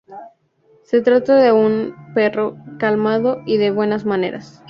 Se trata de un perro calmado y de buenas maneras.